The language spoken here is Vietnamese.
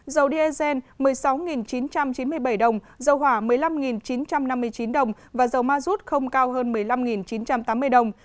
dầu diesel một mươi sáu chín trăm chín mươi bảy đồng dầu hỏa một mươi năm chín trăm năm mươi chín đồng và dầu ma rút không cao hơn một mươi năm chín trăm tám mươi đồng